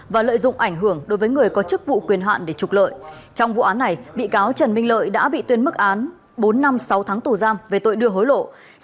và lợi dụng ảnh hưởng đối với người có chức vụ quyền hạn để trục lợi trong vụ án này bị cáo trần minh lợi đã bị tuyên mức án bốn năm sáu tháng tù giam về tội đưa hối lộ